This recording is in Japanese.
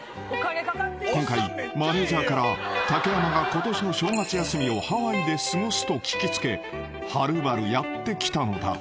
［今回マネジャーから竹山がことしの正月休みをハワイで過ごすと聞き付けはるばるやって来たのだ］